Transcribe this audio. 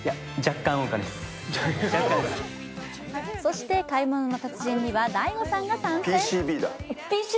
そして「買い物の達人」にはＤＡＩＧＯさんが参戦。